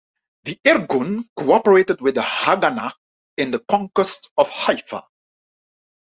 The Irgun cooperated with the Haganah in the conquest of Haifa.